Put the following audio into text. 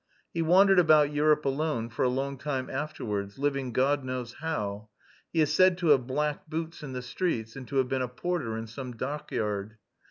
He wandered about Europe alone for a long time afterwards, living God knows how; he is said to have blacked boots in the street, and to have been a porter in some dockyard.